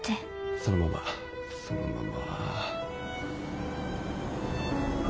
そのままそのまま。